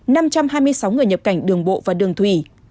năm trăm hai mươi sáu người nhập cảnh đường bộ và đường thủy